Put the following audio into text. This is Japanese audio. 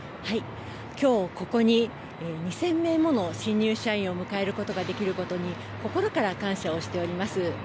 きょうここに、２０００名もの新入社員を迎えることができることに、心から感謝をしております。